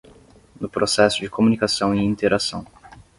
No processo de comunicação e interação